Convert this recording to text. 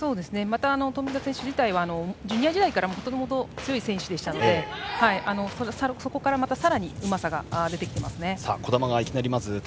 また冨田選手はジュニア時代からもともと強い選手でしたのでそこからさらにうまさが出てきていますね。